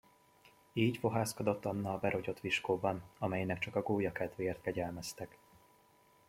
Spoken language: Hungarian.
Így fohászkodott Anna a berogyott viskóban, amelynek csak a gólya kedvéért kegyelmeztek.